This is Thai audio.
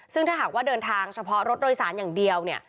ซึ่งถ้าหากว่าเดินทางเฉพาะรถโดยสารอย่างเดียว